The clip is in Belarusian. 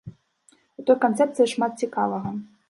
У той канцэпцыі шмат цікавага.